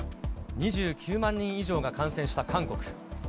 ２９万人以上が感染した韓国。